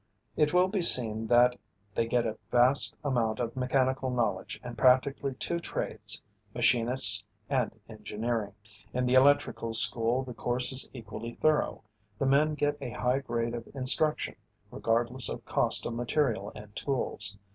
It will be seen that they get a vast amount of mechanical knowledge and practically two trades, machinists and engineering. In the electrical school the course is equally thorough. The men get a high grade of instruction, regardless of cost of material and tools.